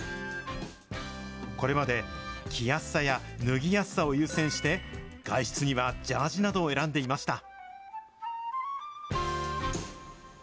これまで、着やすさや脱ぎやすさを優先して、外出にはジャージなどを選んでいました。